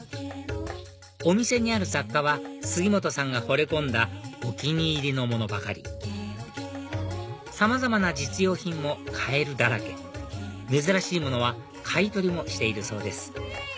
お店にある雑貨は杉本さんがほれ込んだお気に入りのものばかりさまざまな実用品もカエルだらけ珍しいものは買い取りもしているそうです